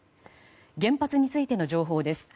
原発についての情報です。